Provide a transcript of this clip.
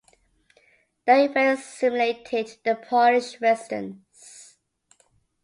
The event stimulated the Polish resistance.